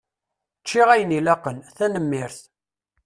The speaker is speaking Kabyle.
Ččiɣ ayen ilaqen, tanemmirt.